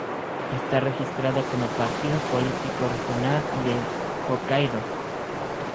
Está registrado como partido político regional de Hokkaidō.